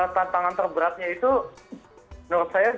tantangan terberatnya itu menurut saya